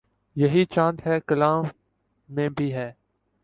یہی چاند ہے کلاں میں بھی ہے